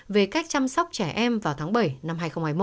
về cách chăm sóc trẻ em vào tháng bảy năm hai nghìn hai mươi một